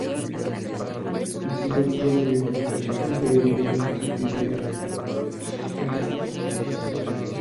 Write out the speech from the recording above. En Ciudad Rodrigo intervino en la Capilla Cerralbo.